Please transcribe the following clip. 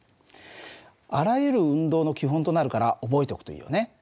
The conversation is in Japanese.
あらゆる運動の基本となるから覚えておくといいよね。